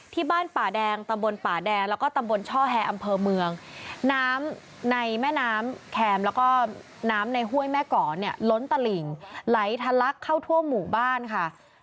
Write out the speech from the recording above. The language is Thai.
ที่บ้านป่าแดงตำบลป่าแดงแล้วก็ตำบลช่อแฮอำเภอเมืองน้ำในแม่น้ำแคมแล้วก็น้ำในห้วยแม่ก่อเนี่ยล้นตลิ่งไหลทะลักเข้าทั่วหมู่บ้านค่ะ